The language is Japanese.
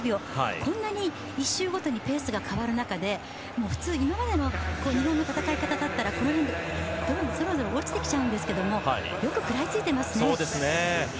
こんなに１周ごとにペースが変わる中で普通、今までの日本の戦い方だったらこの辺で、ズルズル落ちてきちゃうんですけれどもよく食らいついてますね。